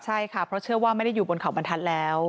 ใช่ค่ะเพราะเชื่อว่าไม่ได้อยู่บนเขาบรรทัศน์แล้ว